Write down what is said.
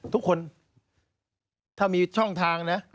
ทุกคนถ้ามีช่องทางนะ